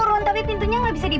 enggak pak ini pasti salah